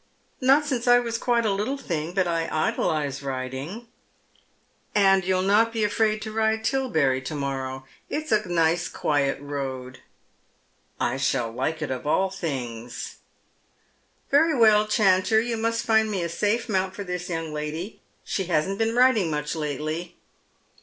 "Not since I was quite a little thing, but I idolize riding," " And you'll not be afraid to ride to Tilberry to morrow. It's a nice quiet road," " I shoU like it of all things." 200 Dead Men's Shoes. " Very well, Chanter, you must find me a safe mount for this young lady. She hasn't been riding much lately."